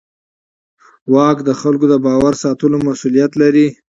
واک د خلکو د باور ساتلو مسوولیت لري.